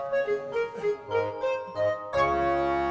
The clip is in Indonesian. roman romannya baru datang ya